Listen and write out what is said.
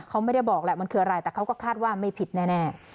เขาไม่ได้บอกแหละมันคืออะไรแต่เขาก็คาดว่าไม่ผิดแน่